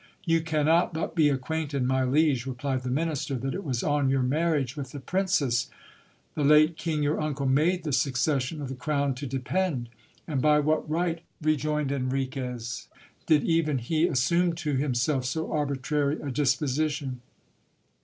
\ ou cannot but be acquainted,, my liege, replied the minister, that it was on you marriage with the princess, the late king, your uncle, made the succession of the crown to depend. And by what right, rejoined Enriquez, did even he assume to himself so arbitrary a disposition